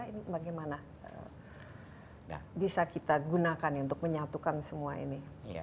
ini bagaimana bisa kita gunakan untuk menyatukan semua ini